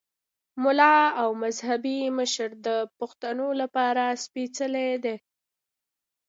ملا او مذهبي مشر د پښتون لپاره سپېڅلی دی.